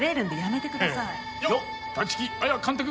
よっ！